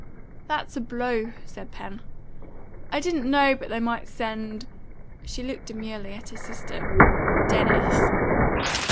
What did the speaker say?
"That's a blow," said Pen. "I didn't know but they might send " she looked demurely at her sister "Dennis!"